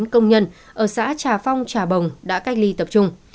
năm trăm hai mươi tám bảy trăm hai mươi chín công nhân ở xã trà phong trà bồng đã cách ly tập trung